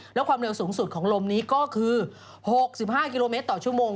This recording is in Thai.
แล้วความเร็วสูงสุดของลมนี้ก็คือ๖๕กิโลเมตรต่อชั่วโมง